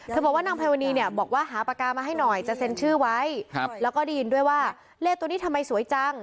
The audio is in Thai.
บอกว่านางไพวนีเนี่ยบอกว่าหาปากกามาให้หน่อยจะเซ็นชื่อไว้แล้วก็ได้ยินด้วยว่าเลขตัวนี้ทำไมสวยจัง